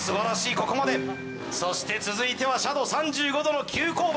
ここまでそして続いては斜度３５度の急勾配